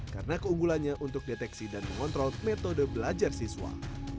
karena keunggulannya untuk deteksi dan mengontrol metode belajar siswa